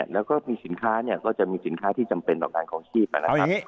แล้วก็มีสินค้าก็จะมีสินค้าที่จำเป็นต่อการของชีพ